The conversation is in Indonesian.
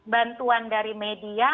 bantuan dari media